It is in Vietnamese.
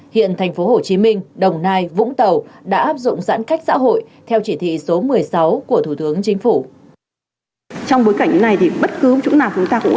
hiện tp hcm đồng nai vũng tàu đã áp dụng giãn cách xã hội theo chỉ thị số một mươi sáu của thủ tướng chính phủ